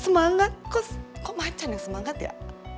semangat gus kok macan ya semangat ya